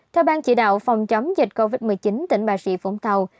theo ban chỉ đạo phòng chống dịch covid một mươi chín tỉnh bà rịa vũng tàu